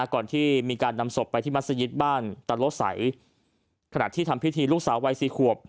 ก่อนที่มีการนำศพไปที่มัศยิตบ้านตะโลสัยขณะที่ทำพิธีลูกสาววัยสี่ขวบ